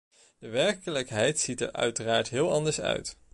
De werkelijkheid ziet er uiteraard heel anders uit.